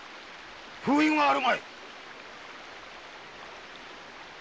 封印はあるまい？